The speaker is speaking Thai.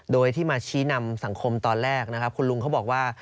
โดยที่มาชี้นำสังคมตอนแรกเค้าบอกว่า